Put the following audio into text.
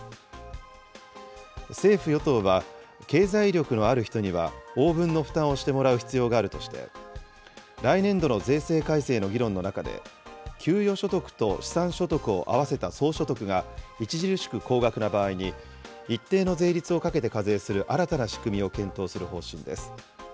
政府・与党は、経済力のある人には応分の負担をしてもらう必要があるとして、来年度の税制改正の議論の中で、給与所得と資産所得を合わせた総所得が著しく高額な場合に、一定の税率をかけて課税する新たな仕組みを検討する方針です。